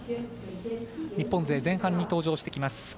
日本勢、前半に登場してきます。